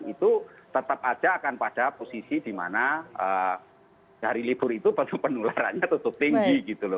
itu tetap saja akan pada posisi di mana dari libur itu penularannya tetap tinggi